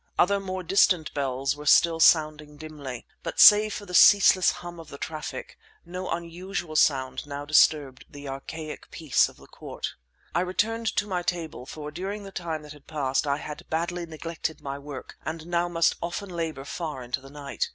Other more distant bells still were sounding dimly, but save for the ceaseless hum of the traffic, no unusual sound now disturbed the archaic peace of the court. I returned to my table, for during the time that had passed I had badly neglected my work and now must often labour far into the night.